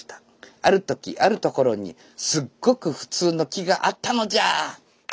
「あるときあるところにすっごくふつうの木があったのじゃー！！」